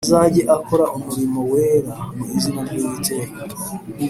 azajye akora umurimo wera mu izina ry Uwiteka